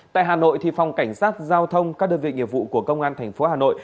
tại hà nội phòng cảnh sát giao thông các đơn vị nghiệp vụ của công an thành phố hà nội